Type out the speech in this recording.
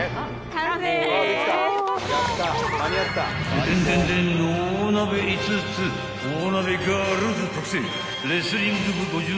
［デデンデンデン大鍋５つ大鍋ガールズ特製］